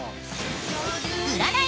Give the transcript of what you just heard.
［占い